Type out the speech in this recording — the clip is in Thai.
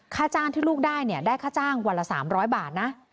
ค่าจ้างที่ลูกได้เนี่ยได้ค่าจ้างวันละ๓๐๐บาทนะ